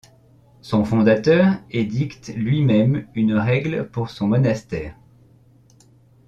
Son fondateur édicte lui-même une règle pour son monastère.